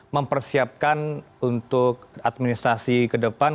mempersiapkan untuk administrasi kedepan